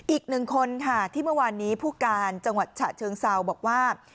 อีกหนึ่งคนค่ะที่เมื่อวานนี้ผู้การจังหวัดฉะเชิงเซาบอกว่า